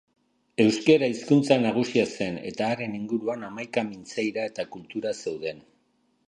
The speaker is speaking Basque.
Euskara hizkuntza nagusia zen eta haren inguruan hamaika mintzaira eta kultura zeuden.